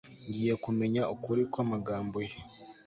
ngiye kumenya ukuri kw'amagambo ye